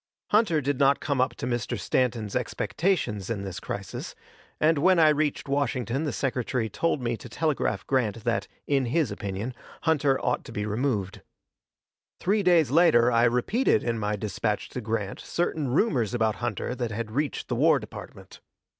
Hunter did not come up to Mr. Stanton's expectations in this crisis, and when I reached Washington the Secretary told me to telegraph Grant that, in his opinion, Hunter ought to be removed. Three days later I repeated in my dispatch to Grant certain rumors about Hunter that had reached the War Department.